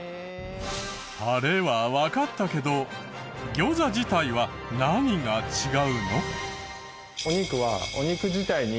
タレはわかったけど餃子自体は何が違うの？